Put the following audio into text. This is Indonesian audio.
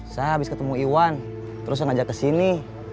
saya habis ketemu iwan terus ngajar kesini